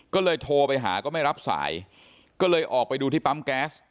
ก็เลยโทรไปหาก็ไม่รับสายก็เลยออกไปดูที่ปั๊มแก๊ส